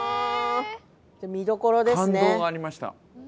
見どころがありますね。